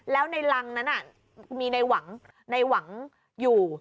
แล้วในรังนั้นมีในหวังอยู่